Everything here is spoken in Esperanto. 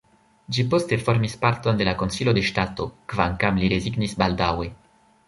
Ĝi poste formis parton de la Konsilo de ŝtato, kvankam li rezignis baldaŭe.